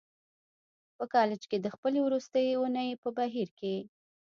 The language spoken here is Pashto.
په کالج کې د خپلې وروستۍ اونۍ په بهير کې.